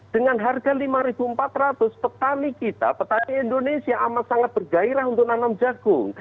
dengan harga lima empat ratus petani kita petani indonesia amat sangat bergairah untuk nanam jagung